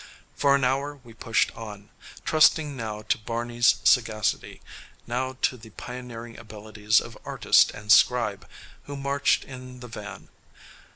For an hour we pushed on, trusting now to Barney's sagacity, now to the pioneering abilities of Artist and Scribe, who marched in the van.